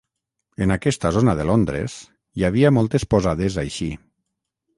En aquesta zona de Londres, hi havia moltes posades així.